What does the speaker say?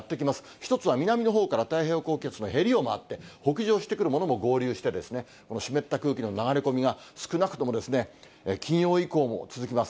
一つは南のほうから太平洋高気圧のへりを回って、北上してくるものも合流してですね、この湿った空気の流れ込みが、少なくとも金曜以降も続きます。